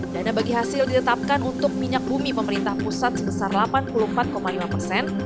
dana bagi hasil ditetapkan untuk minyak bumi pemerintah pusat sebesar delapan puluh empat lima persen